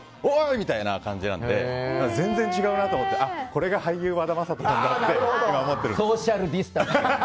みたいな感じなので全然違うなと思ってこれが俳優・和田正人だってソーシャルディスタンスです。